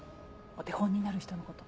お手本になる人のこと。